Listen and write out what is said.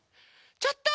ちょっと！